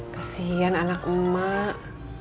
kasian anak emak